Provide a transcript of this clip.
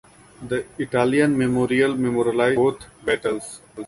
The Italian memorial memorializes both battles.